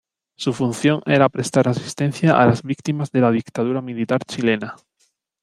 Su función era prestar asistencia a las víctimas de la dictadura militar chilena.